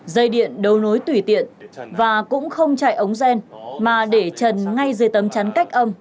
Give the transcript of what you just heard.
dây điện đấu nối tùy tiện và cũng không chạy ống gen mà để trần ngay dưới tấm chắn cách âm